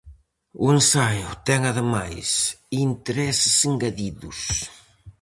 O ensaio ten ademais intereses engadidos.